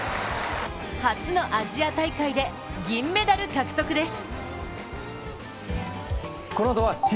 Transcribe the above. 初のアジア大会で銀メダル獲得です。